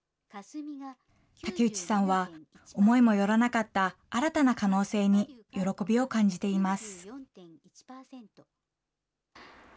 竹内さんは、思いもよらなかった新たな可能性に喜びを感じています。